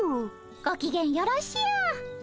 ごきげんよろしゅう。